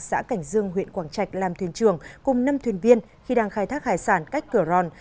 xã cảnh dương huyện quảng trạch làm thuyền trường cùng năm thuyền viên khi đang khai thác hải sản cách cửa ròn